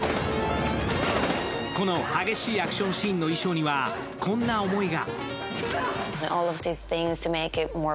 この激しいアクションシーンの衣装には、こんな思いが。